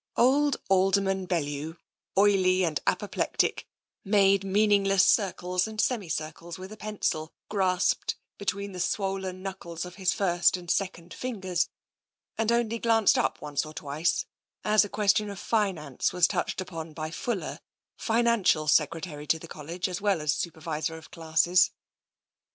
Old Alderman Bellew, oily and apoplectic, made meaningless circles and semi circles with a pencil TENSION 23 grasped between the swollen knuckles of his first and second fingers, and only glanced up once or twice as a question of finance was touched upon by Fuller, Financial Secretary to the College as well as Super visor of Classes.